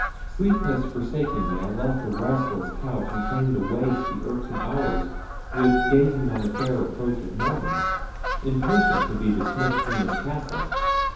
Sleep had forsaken me; I left a restless couch, and came to waste the irksome hours with gazing on the fair approach of morning, impatient to be dismissed from this castle."